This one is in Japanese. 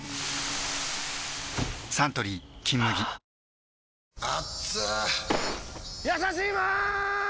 サントリー「金麦」やさしいマーン！！